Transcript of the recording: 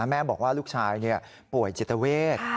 แม่บอกว่าลูกชายป่วยจิตเวท